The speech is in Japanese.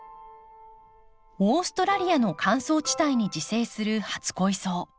オーストラリアの乾燥地帯に自生する初恋草。